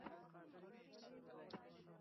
ترکیب د پوهېدو اسانتیا برابروي.